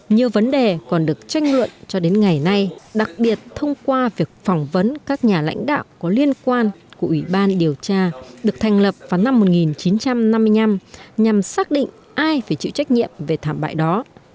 nhiều vấn đề còn được tranh luận cho đến ngày nay đặc biệt thông qua việc phỏng vấn các nhà lãnh đạo có liên quan của ủy ban điều tra được thành lập vào năm một nghìn chín trăm năm mươi năm nhằm xác định ai phải chịu trách nhiệm về thảm bại đó